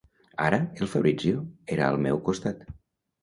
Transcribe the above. Ara, el Fabrizio era al meu costat.